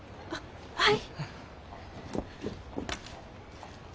あっはい。